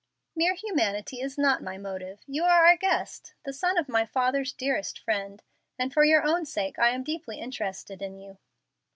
"Mere humanity is not my motive. You are our guest, the son of my father's dearest friend, and for your own sake I am deeply interested in you."